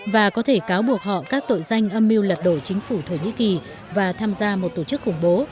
và có thể cáo buộc họ các tội danh âm mưu lật đổ chính phủ thổ nhĩ kỳ và tham gia một tổ chức khủng bố